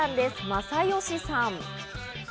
正義さん。